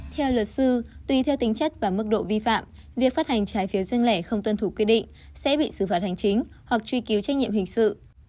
theo luật sư tùy theo tính chất và mức độ vi phạm việc phát hành trái phiếu riêng lẻ không tuân thủ quy định sẽ bị xử phạt hành chính hoặc truy cứu trách nhiệm hình sự